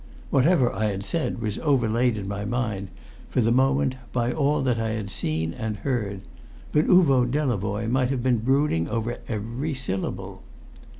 Whatever I had said was overlaid in my mind, for the moment, by all that I had since seen and heard. But Uvo Delavoye might have been brooding over every syllable.